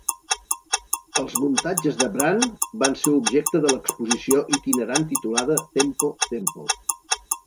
Els muntatges de Brandt van ser objecte de l'exposició itinerant titulada 'Tempo, Tempo!'.